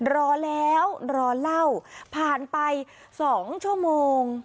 รอแล้วรอเล่าผ่านไป๒ชั่วโมง